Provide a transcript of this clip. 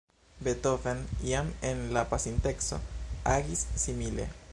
Beethoven jam en la pasinteco agis simile.